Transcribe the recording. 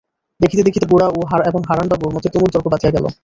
দেখিতে দেখিতে গোরা এবং হারানবাবুর মধ্যে তুমুল তর্ক বাধিয়া গেল।